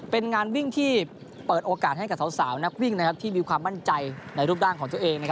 เป็นงานวิ่งที่เปิดโอกาสให้กับสาวนักวิ่งที่มีความมั่นใจในรูปร่างของตัวเอง